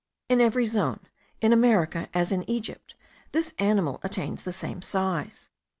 In every zone, in America as in Egypt, this animal attains the same size.